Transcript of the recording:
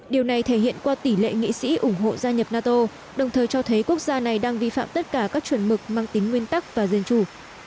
điều này thể hiện qua tỷ lệ nghị sĩ ủng hộ gia nhập nato đồng thời cho thấy quốc gia này đang vi phạm tất cả các chuẩn mực mang tính nguyên tắc và dân chủ